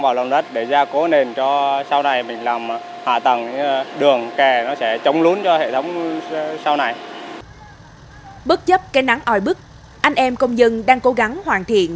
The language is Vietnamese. bất chấp cái nắng oi bức anh em công dân đang cố gắng hoàn thiện